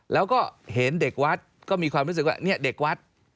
แล้วก็เห็นเด็กวัดก็มีความรู้สึกว่าเนี่ยเด็กวัด